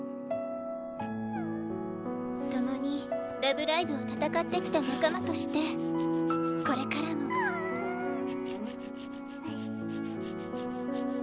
共にラブライブを戦ってきた仲間としてこれからも。クゥーン。